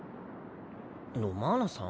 ロマーナさん？